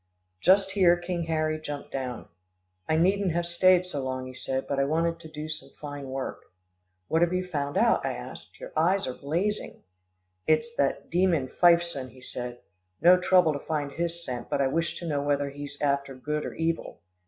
Just here King Harry jumped down. "I needn't have stayed so long," he said, "but I wanted to do some fine work." "What have you found out?" I asked. "Your eyes are blazing." "It's that demon Fifeson," he said. "No trouble to find his scent, but I wished to know whether he's after good or evil."